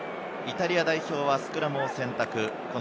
イタリア代表はスクラムを選択。